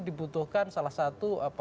dibutuhkan salah satu